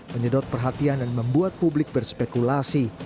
menyedot perhatian dan membuat publik berspekulasi